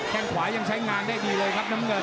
แค่งขวายังใช้งานได้ดีเลยครับน้ำเงิน